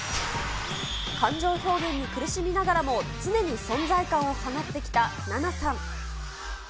感情表現に苦しみながらも、常に存在感を放ってきたナナさん。